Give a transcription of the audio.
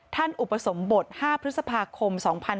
ท่านอุปสมบท๕พฤษภาคม๒๔๘๗